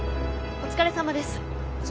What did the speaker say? お疲れさまです。